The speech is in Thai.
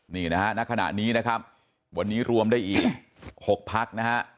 นี่นะฮะณขณะนี้นะครับวันนี้รวมได้อีก๖พักนะฮะ